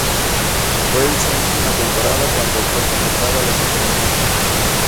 Fue en su última temporada cuando fue convocado a la selección checa.